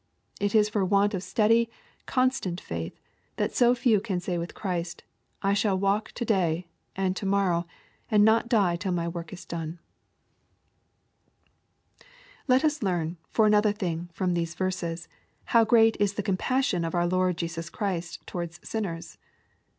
It is for want of steady, constant faith, that so few can say with Christ, " I shall walk to day, and to morrow, and not die till my work is done/' Let us learn, for another thing, from these verses, how great is the compassion of our Lord Jesus Christ towards sinners.